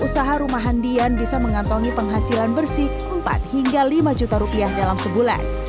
usaha rumah handian bisa mengantongi penghasilan bersih empat hingga lima juta rupiah dalam sebulan